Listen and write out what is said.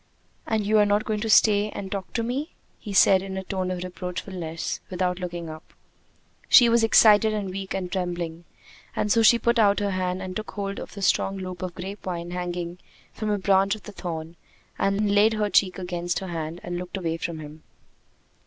"And you are not going to stay and talk to me?" he said in a tone of reproachfulness, without looking up. She was excited and weak and trembling, and so she put out her hand and took hold of a strong loop of the grape vine hanging from a branch of the thorn, and laid her cheek against her hand and looked away from him.